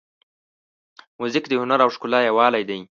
موزیک د هنر او ښکلا یووالی دی.